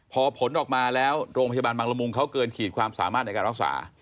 พอผลออกมาแล้วโรงพยาบาลบางละมุงเขาเกินขีดความสามารถในการรักษา